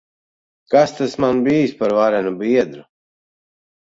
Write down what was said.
Kas tas man bijis par varenu biedru!